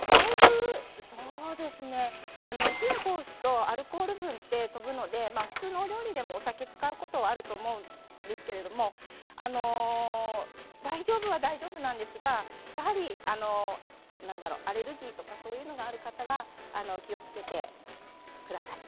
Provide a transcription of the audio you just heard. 火を通すとアルコール分は飛ぶので普通の料理でも、お酒を使うことがあると思うんですけど大丈夫は大丈夫なんですがやはりアレルギーとかそういうのがある方は気をつけてください。